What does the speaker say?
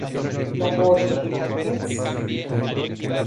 Labor Markets??